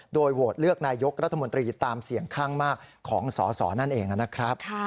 โดยโหวตเลือกนายกรัฐมนตรีตามเสี่ยงข้างมากของสสนั่นเองนะครับ